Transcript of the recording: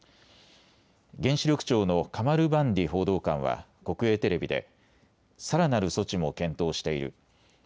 原子力庁のカマルバンディ報道官は国営テレビでさらなる措置も検討している。